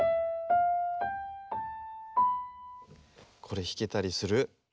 これひけたりする？